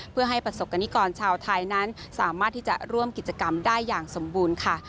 เพื่อให้ประสบกรณิกรชาวไทยนั้นสามารถที่จะร่วมกิจกรรมได้อย่างสมบูรณ์ค่ะ